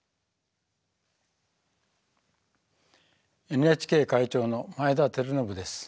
ＮＨＫ会長の前田晃伸です。